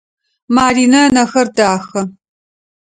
Маринэ ынэхэр дахэ.